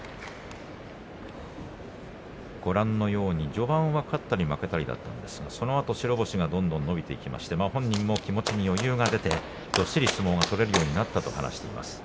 序盤は勝ったり負けたりだったんですがそのあと白星がどんどん伸びていきまして本人は気持ちに余裕が出てどっしり相撲を取れるようになったと話しています。